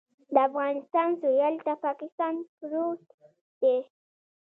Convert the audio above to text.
د افغانستان سویل ته پاکستان پروت دی